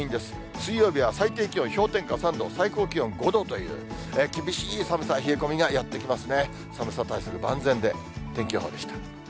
水曜日は最低気温氷点下３度、最高気温５度という、厳しい寒さ、冷え込みがやって来ますね。